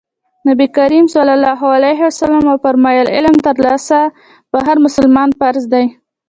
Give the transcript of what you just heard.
نبي کريم ص وفرمايل علم ترلاسی په هر مسلمان فرض دی.